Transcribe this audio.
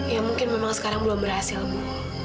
ya mungkin memang sekarang belum berhasil bu